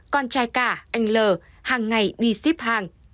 con trai cả anh l hàng ngày đi ship hàng